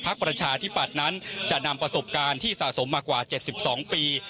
พักประชาธิปัตย์นั้นจะนำประสบการณ์ที่สะสมมากกว่าเจ็ดสิบสองปี